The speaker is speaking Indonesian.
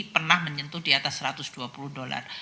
pernah menyentuh di atas satu ratus dua puluh dolar